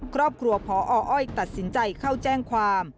ครอบครัวพออ้อยตัดสินใจเข้าแจ้งความ